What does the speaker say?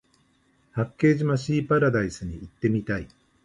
八景島シーパラダイスに行ってみたい